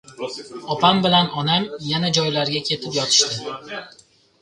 Opam bilan onam yana joylariga kelib yotishdi.